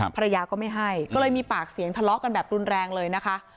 ภรรยาก็ไม่ให้ก็เลยมีปากเสียงทะเลาะกันแบบรุนแรงเลยนะคะ